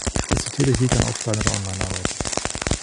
Das Utility kann offline oder online arbeiten.